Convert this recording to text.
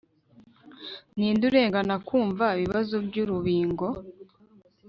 Ninde urengana kumva ibibazo byurubingo